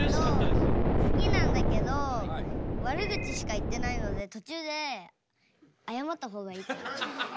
えっと好きなんだけどわる口しか言ってないので途中であやまった方がいいと思う。